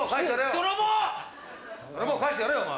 泥棒返してやれよお前！